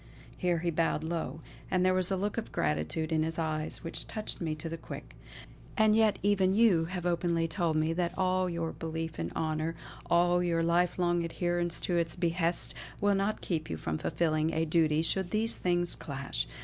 Here he bowed low, and there was a look of gratitude in his eyes which touched me to the quick. "And yet even you have openly told me that all your belief in honour, all your life long adherence to its behests, will not keep you from fulfilling a duty should these things clash.